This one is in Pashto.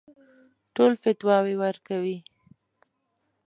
ټول فتواوې ورکوي.